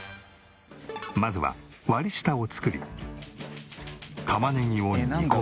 まずは割り下を作り玉ねぎを煮込む。